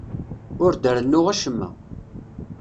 Ur d-rennuɣ acemma.